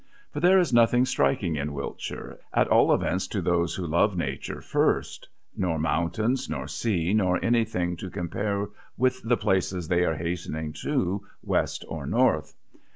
For there is nothing striking in Wiltshire, at all events to those who love nature first; nor mountains, nor sea, nor anything to compare with the places they are hastening to, west or north.